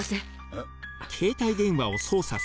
えっ？